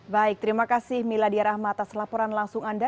baik terima kasih miladya rahmat atas laporan langsung anda